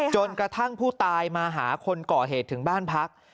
จนกระทั่งผู้ตายมาหาคนก่อเหตุถึงบ้านพัก